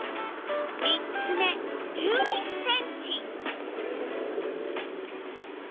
３つ目１１ｃｍ。